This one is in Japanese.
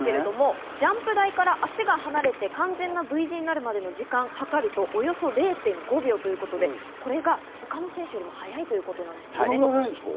ジャンプ台から足が離れて、完全なＶ字になるまでの時間を計ると、およそ０．５秒ということで、これが他の選手よりも早いということです。